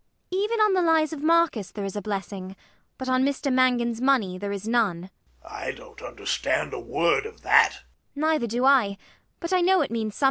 Even on the lies of Marcus there is a blessing; but on Mr Mangan's money there is none. MANGAN. I don't understand a word of that. ELLIE. Neither do I. But I know it means something.